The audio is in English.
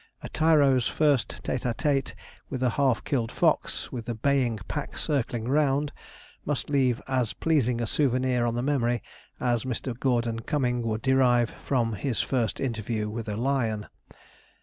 A tyro's first tête à tête with a half killed fox, with the baying pack circling round, must leave as pleasing a souvenir on the memory as Mr. Gordon Cumming would derive from his first interview with a lion.